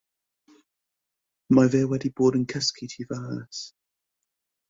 Ma' fe wedi bod yn cysgu tu fas.